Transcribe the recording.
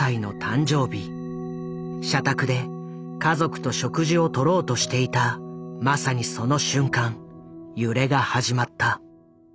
社宅で家族と食事をとろうとしていたまさにその瞬間揺れが始まった。